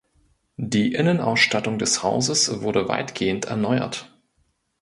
Die Innenausstattung des Hauses wurde weitgehend erneuert.